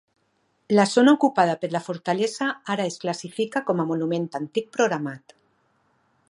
La zona ocupada per la fortalesa ara es classifica com a Monument Antic Programat.